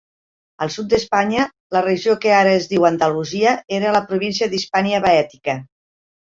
El sud d'Espanya, la regió que ara es diu Andalusia, era la província de "Hispania Baetica".